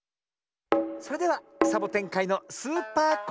それではサボテンかいのスーパー